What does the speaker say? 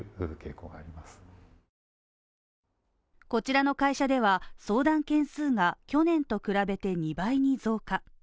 こちらの会社では相談件数が去年と比べて２倍に増加。